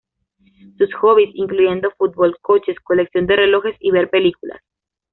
Sus "hobbies" incluyen fútbol, coches, colección de relojes y ver películas.